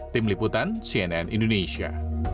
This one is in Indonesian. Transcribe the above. tim liputan cnn indonesia